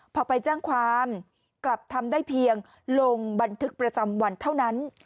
พอไปแจ้งความกลับทำได้เพียงลงบันทึกประจำวันเท่านั้น